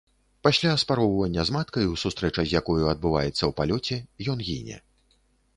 Пасля спароўвання з маткаю, сустрэча з якою адбываецца ў палёце, ён гіне.